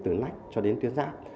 từ nách cho đến tuyến ráp